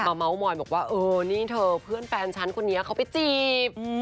เค้าเม้าโมยบอกว่านี่เถอะเพื่อนแฟนฉันคนนี้เค้าไปจีบ